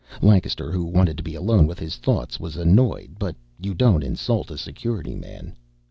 Lancaster, who wanted to be alone with his thoughts, was annoyed, but you don't insult a Security man.